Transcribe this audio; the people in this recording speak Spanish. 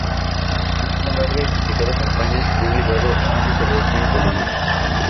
Pero tras una larga y complicada campaña, se vio obligado a encerrarse en Colonia.